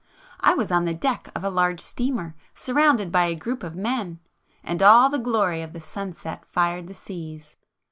I was on the deck of a large steamer, surrounded by a group of men,—and all the glory of the sunset fired the seas.